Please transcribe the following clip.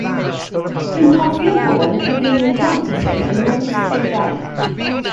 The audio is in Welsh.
Dwi'n cofio pobl yn cyfeirio at y lle yn yr wythdegau.